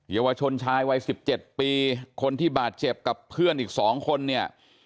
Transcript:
เยาวชนชายวัย๑๗ปีคนที่บาดเจ็บกับเพื่อนอีก๒คนเนี่ย